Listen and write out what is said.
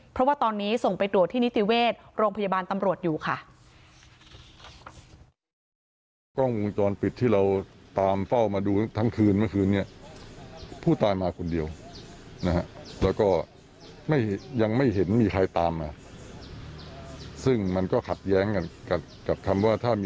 เพราะว่าตอนนี้ส่งไปตรวจที่นิติเวชโรงพยาบาลตำรวจอยู่ค่ะ